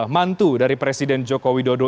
mantu dari presiden joko widodo